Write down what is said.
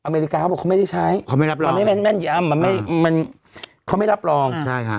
อเมริกาเขาบอกเขาไม่ได้ใช้เขาไม่รับรองแม่นยัมมันไม่มันเขาไม่รับรอง